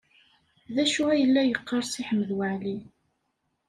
D acu ay la yeqqar Si Ḥmed Waɛli?